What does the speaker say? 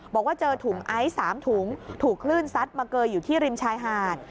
บอกว่าเจอถุงไอซ์๓ถุงถูกคลื่นซัดมาเกยอยู่ที่ริมชายหาด